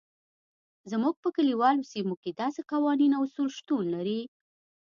زموږ په کلیوالو سیمو کې داسې قوانین او اصول شتون لري.